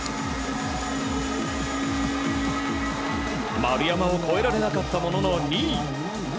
丸山を超えられなかったものの２位。